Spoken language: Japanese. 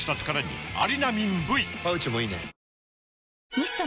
ミスト？